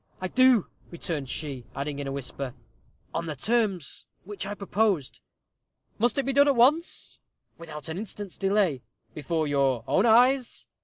"I do," returned she; adding, in a whisper, "on the terms which I proposed." "Must it be done at once?" "Without an instant's delay." "Before your own eyes?"